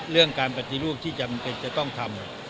เรื่องการปฏิรูปที่จะต้องทำ